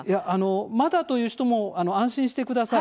まだという人も安心してください。